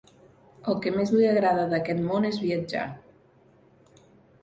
El que més li agrada d'aquest món és viatjar.